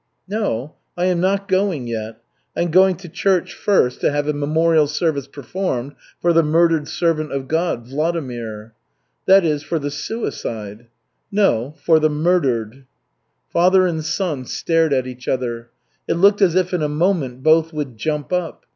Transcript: "No, I am not going yet. I'm going to church first to have a memorial service performed for the murdered servant of God, Vladimir." "That is, for the suicide." "No, for the murdered." Father and son stared at each other. It looked as if in a moment both would jump up.